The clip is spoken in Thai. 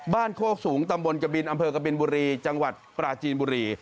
โคกสูงตำบลกบินอำเภอกบินบุรีจังหวัดปราจีนบุรี